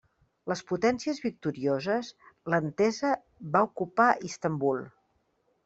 Les potències victorioses, l'Entesa, va ocupar Istanbul.